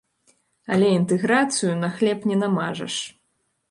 Але інтэграцыю на хлеб не намажаш.